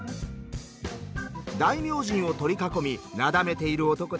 大明神を取り囲みなだめている男たち。